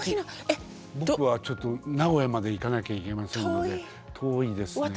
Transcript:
僕はちょっと名古屋まで行かなきゃいけませんので遠いですね。